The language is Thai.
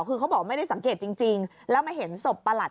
คือเขาบอกไม่ได้สังเกตจริงแล้วมาเห็นศพประหลัด